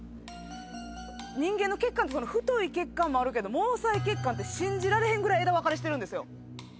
人間の血管って太い血管もあるけど毛細血管って信じられへんぐらい枝分かれしてるんですよ。